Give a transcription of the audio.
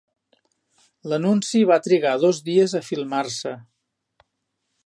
L'anunci va trigar dos dies a filmar-se.